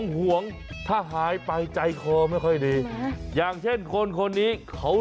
ห่วงถ้าหายไปใจคอไม่ค่อยดีอย่างเช่นคนคนนี้เขา